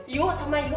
yo sama yo